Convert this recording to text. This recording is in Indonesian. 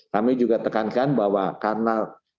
kami juga tekankan bahwa karena